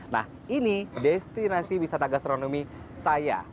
nah ini destinasi wisata gastronomi saya